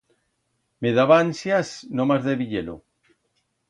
Me daba ansias nomás de viyer-lo.